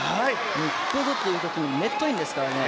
ここぞというときにネットインですからね